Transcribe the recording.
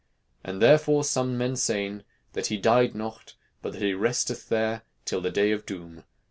And therefore somme men seyn, that he dyed noughte, but that he resteth there till the Day of Doom.